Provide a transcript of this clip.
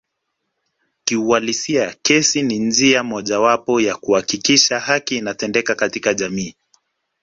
Kiuhalisia kesi ni njia mojawapo ya kuhakikisha haki inatendeka katika jamii